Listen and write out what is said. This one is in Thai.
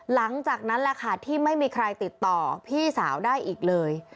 หลังจากนั้นแหละค่ะที่ไม่มีใครติดต่อพี่สาวได้อีกเลย